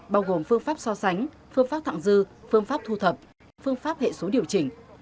bao gồm phương pháp so sánh phương pháp thẳng dư phương pháp thu thập phương pháp hệ số điều chỉnh